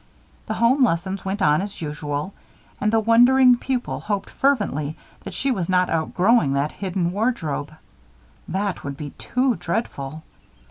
The home lessons went on as usual, and the wondering pupil hoped fervently that she was not outgrowing that hidden wardrobe. That would be too dreadful.